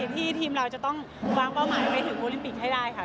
ที่ทีมเราจะต้องวางเป้าหมายไปถึงโอลิมปิกให้ได้ค่ะ